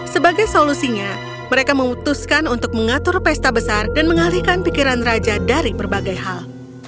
sebagai solusinya mereka memutuskan untuk mengatur pesta besar dan mengalihkan pikiran raja dari berbagai hal